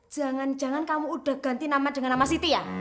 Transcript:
jangan jangan kamu udah ganti nama dengan nama siti ya